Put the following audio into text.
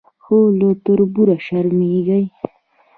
خو له تربور شرمېږي.